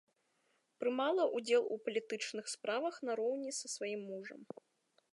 Прымала ўдзел у палітычных справах нароўні са сваім мужам.